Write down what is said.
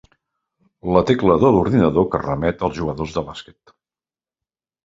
La tecla de l'ordinador que remet als jugadors de bàsquet.